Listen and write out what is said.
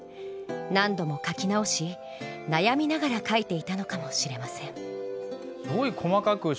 何度も書き直し悩みながら書いていたのかもしれません。